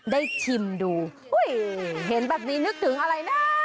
ชิมดูอุ้ยเห็นแบบนี้นึกถึงอะไรนะ